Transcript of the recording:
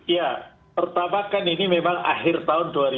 ya pertama kan ini memang akhir tahun dua ribu dua puluh